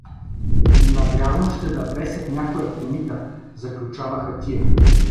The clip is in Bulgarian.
— Навярно ще да бесят някоя комита — заключаваха тия.